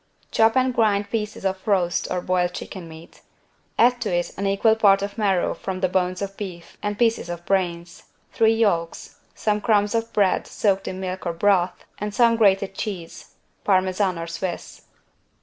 Chop and grind pieces of roast or boiled chicken meat: add to it an equal part of marrow from the bones of beef and pieces of brains, three yolks, some crumbs of bread soaked in milk or broth and some grated cheese (Parmesan or Swiss).